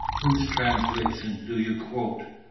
"Whose translation do you quote?"